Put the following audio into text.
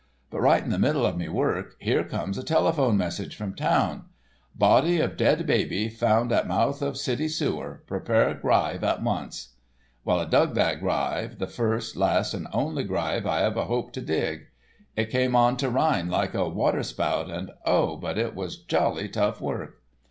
But right in the middle of me work here comes a telephone message from town: 'Body of dead baby found at mouth of city sewer—prepare gryve at once.' Well, I dug that gryve, the first, last and only gryve I ever hope to dig. It came on to ryne like a water spout, and oh, but it was jolly tough work.